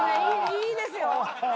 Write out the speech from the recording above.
いいですよ！